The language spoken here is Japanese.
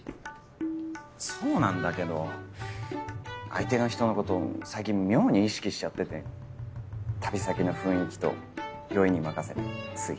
そうなんだけど相手の人のこと最近妙に意識しちゃってて旅先の雰囲気と酔いに任せてつい。